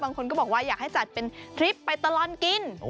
บางคนก็บอกว่าอยากให้จัดเป็นทริปไปตลอดกิน